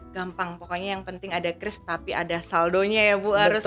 gampang pokoknya yang penting ada cris tapi ada saldonya ya bu harus